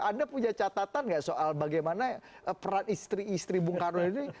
anda punya catatan nggak soal bagaimana peran istri istri bung karno ini